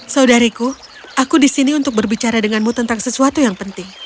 saudariku aku disini untuk berbicara denganmu tentang sesuatu yang penting